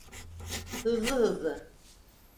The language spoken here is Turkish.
Hızlı, hızlı!